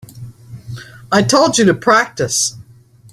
I told you to practice.